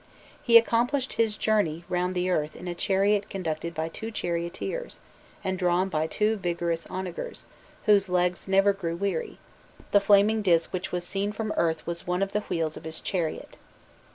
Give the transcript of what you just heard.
He accomplished his journey round the earth in a chariot conducted by two charioteers, and drawn by two vigorous onagers, "whose legs never grew weary;" the flaming disk which was seen from earth was one of the wheels of his chariot.